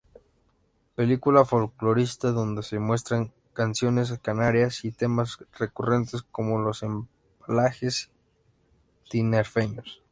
Película folclorista donde se muestran canciones canarias y temas recurrentes, como los ‘embalajes’ tinerfeños.